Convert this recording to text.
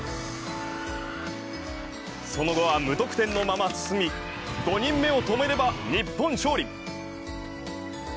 その後は無得点のまま進み、５人目を止めれば日本勝利。